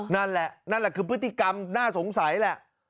นั่นแหละนั่นแหละคือพฤติกรรมน่าสงสัยแหละ